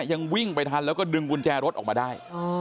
ยังวิ่งไปทันแล้วก็ดึงกุญแจรถออกมาได้